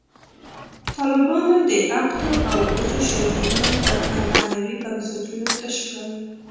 طالبانو د عقدو او غوټو شاجورونه پر عنعنوي بنسټونو تش کړل.